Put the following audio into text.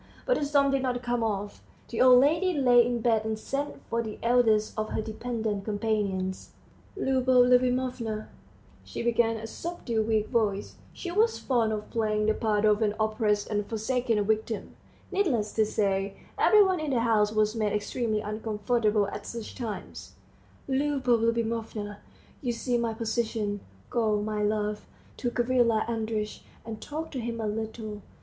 But the storm did not come off. The old lady lay in bed and sent for the eldest of her dependent companions. "Liubov Liubimovna," she began in a subdued weak voice she was fond of playing the part of an oppressed and forsaken victim; needless to say, every one in the house was made extremely uncomfortable at such times "Liubov Liubimovna, you see my position; go, my love, to Gavrila Andreitch, and talk to him a little.